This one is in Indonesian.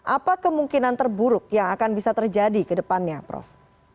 apa kemungkinan terburuk yang akan bisa terjadi ke depannya prof